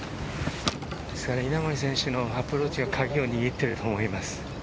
稲森選手のアプローチがカギを握っていると思います。